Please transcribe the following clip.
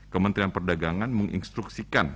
kementerian perdagangan menginstruksikan